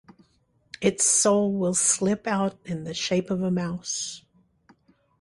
Its soul will slip out in the shape of a mouse.